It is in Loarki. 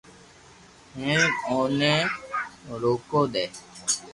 ھين اوني روڪو دي